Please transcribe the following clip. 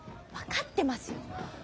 分かってますよ。